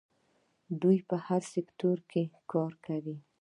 دوی په هر سکتور کې کار کوي.